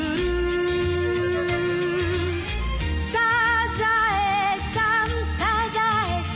「サザエさんサザエさん」